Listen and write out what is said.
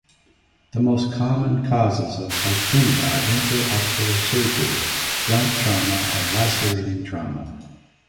The most common causes of hyphema are intraocular surgery, blunt trauma, and lacerating trauma.